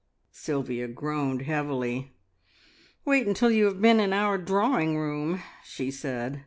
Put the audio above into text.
Sylvia groaned heavily. "Wait until you have been in our drawing room!" she said.